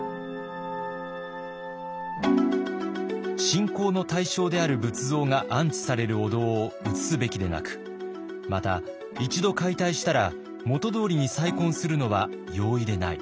信仰の対象である仏像が安置されるお堂を移すべきでなくまた一度解体したら元どおりに再建するのは容易でない。